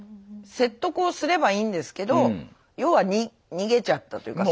説得をすればいいんですけど要は逃げちゃったというか。